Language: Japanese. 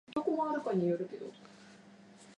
手の甲